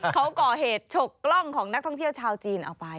เขาก่อเหตุฉกกล้องของนักท่องเที่ยวชาวจีนเอาไป